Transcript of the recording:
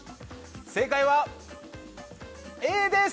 正解はＡです！